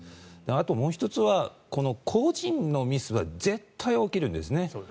あともう１つはこの個人のミスは絶対に起きるんですね。